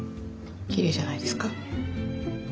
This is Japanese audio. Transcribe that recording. きれいじゃないですか？